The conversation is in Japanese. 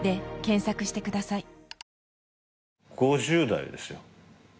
５０代ですよ。